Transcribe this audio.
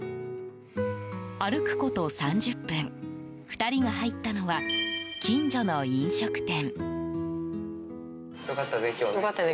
歩くこと３０分２人が入ったのは近所の飲食店。